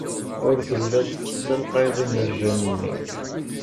Ur telliḍ tessalqayeḍ imerjan-nni.